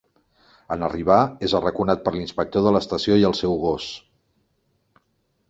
En arribar, és arraconat per l'inspector de l'estació i el seu gos.